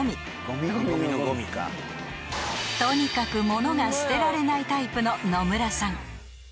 ［とにかく物が捨てられないタイプののむらさん］